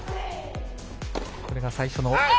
これが最初の。